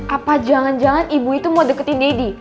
apa jangan jangan ibu itu mau deketin deddy